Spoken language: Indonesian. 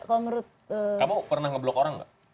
kamu pernah ngeblok orang gak